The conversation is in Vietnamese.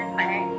mẹ mẹ ạ